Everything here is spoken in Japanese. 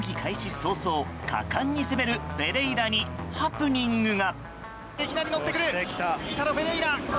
早々、果敢に攻めるフェレイラにハプニングが。